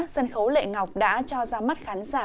sân khấu lệ ngọc đã cho ra mắt khán giả